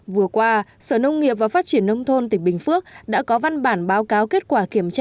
vừa qua sở nông nghiệp và phát triển nông thôn tỉnh bình phước đã có văn bản báo cáo kết quả kiểm tra